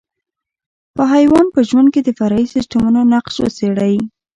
په حیوان په ژوند کې د فرعي سیسټمونو نقش وڅېړئ.